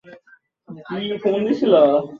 আমি এয়ারপোর্টে যাচ্ছি।